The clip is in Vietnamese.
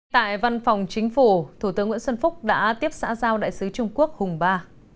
tại văn phòng chính phủ thủ tướng nguyễn xuân phúc đã tiếp xã giao đại sứ trung quốc hùng ba